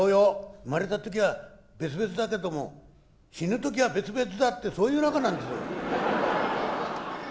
生まれた時は別々だけども死ぬ時は別々だってそういう仲なんですよ」。